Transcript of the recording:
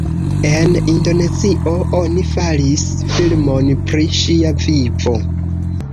En Indonezio oni faris filmon pri ŝia vivo.